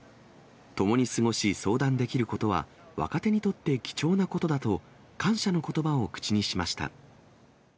共に過ごし、相談できることは、若手にとって貴重なことだと、感謝のことばを口にしました。